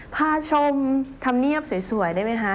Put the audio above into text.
พาชมธรรมเนียบสวยได้ไหมคะ